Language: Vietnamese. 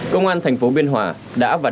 công an tp biên hòa đã và đang xử lý